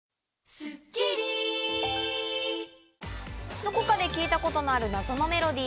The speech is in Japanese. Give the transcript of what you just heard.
どこかで聞いたことのある謎のメロディー